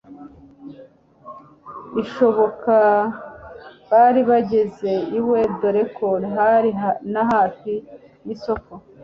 ishoboka bari bageze iwe doreko hari nahafi yisoko